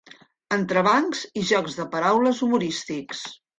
Entrebancs i jocs de paraules humorístics.